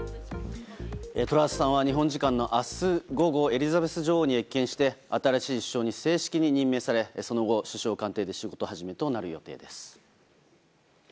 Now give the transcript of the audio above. トラスさんは日本時間の明日午後エリザベス女王に謁見して新しい首相に正式任命されその後、首相官邸で仕事始めとなる予定です。